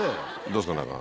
どうですか？